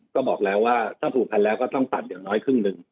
ก็บอกแล้วว่าถ้าผูกพันแล้วก็ต้องตัดอย่างน้อยครึ่งหนึ่ง